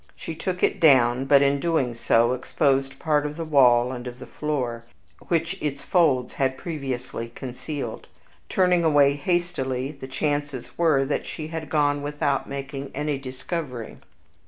She took it down, but, in doing so, exposed part of the wall and of the floor, which its folds had previously concealed. Turning away hastily, the chances were that she had gone without making any discovery.